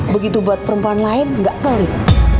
begitu buat perempuan lain gak pelit